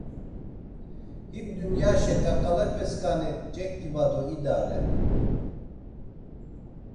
Him dunyaşe k̆ak̆alepeskani ç̆ek̆iba do idare.